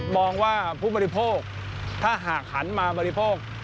มองว่าผู้บริโภคถ้าหากหันมาบริโภค